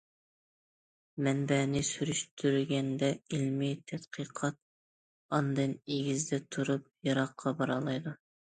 مەنبەنى سۈرۈشتۈرگەندە، ئىلمىي تەتقىقات ئاندىن ئېگىزدە تۇرۇپ، يىراققا بارالايدۇ.